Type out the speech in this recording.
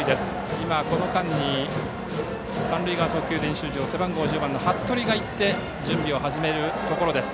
今、この間に三塁側の投球練習場に背番号１０番の服部が準備を始めるところです。